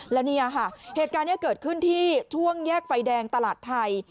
แล้วเนี่ยค่ะเหตุการณ์นี้เกิดขึ้นที่ช่วงแยกไฟแดงตลาดไทย